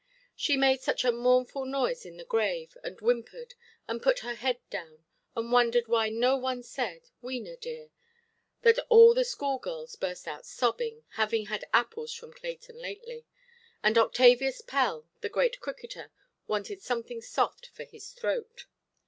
She made such a mournful noise in the grave, and whimpered, and put her head down, and wondered why no one said "Wena, dear", that all the school–girls burst out sobbing—having had apples from Clayton lately—and Octavius Pell, the great cricketer, wanted something soft for his throat.